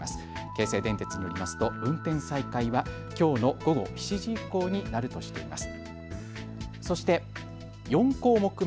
京成電鉄によりますと運転再開はきょうの午後７時以降になるとしています。